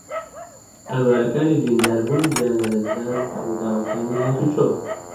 ئامارەکانی برینداربوون و گیانلەدەستدان بە ڕووداوەکانی ھاتوچۆ